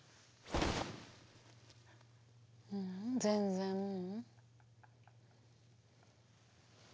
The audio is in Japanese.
ううん全然ううん。